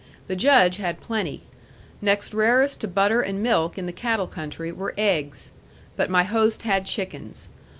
The Judge had plenty. Next rarest to butter and milk in the cattle country were eggs. But my host had chickens.